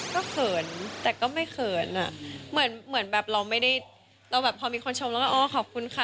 ก็เขินแต่ก็ไม่เขินอ่ะเหมือนเหมือนแบบเราไม่ได้เราแบบพอมีคนชมแล้วก็อ๋อขอบคุณค่ะ